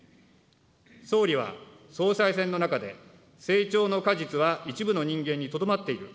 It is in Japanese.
総理は総裁選の中で、成長の果実は一部の人間にとどまっている。